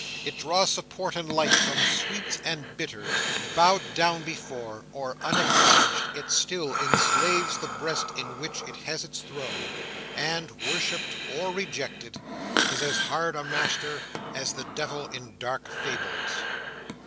It draws support and life from sweets and bitters; bowed down before, or unacknowledged, it still enslaves the breast in which it has its throne; and, worshipped or rejected, is as hard a master as the Devil in dark fables.